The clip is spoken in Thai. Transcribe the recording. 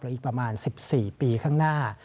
อีกประมาณ๑๔ปีข้างหน้า